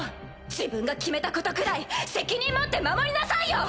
自分が決めたことくらい責任持って守りなさいよ！